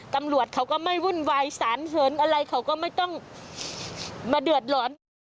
ตำรวจเขาก็ไม่วุ่นวายสารเหินอะไรเขาก็ไม่ต้องมาเดือดร้อน